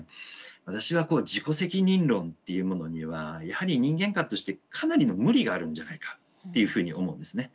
私は自己責任論っていうものにはやはり人間観としてかなりの無理があるんじゃないかっていうふうに思うんですね。